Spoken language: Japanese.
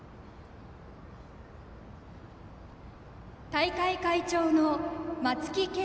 大会会長の松木健